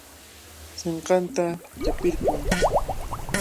Sinqanta llapirqun.